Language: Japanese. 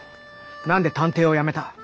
何で探偵をやめた。